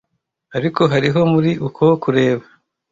Ariko hariho muri uko kureba